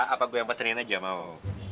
apa gue yang pesenin aja mau